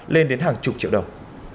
lên đến hàng chục triệu đồng